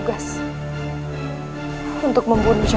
kalau kamu ingin mencari nyawa